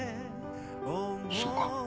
そうか。